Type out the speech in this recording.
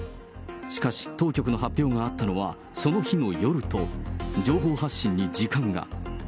しかし、当局の発表があったのはその日の夜と、情報発信に時間が。